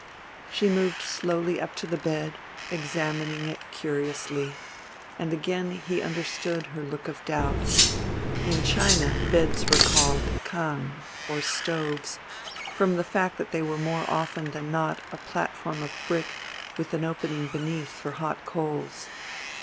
She moved slowly up to the bed, examining it curiously; and again he understood her look of doubt in China beds were called kang, or stoves, from the fact that they were more often than not a platform of brick with an opening beneath for hot coals.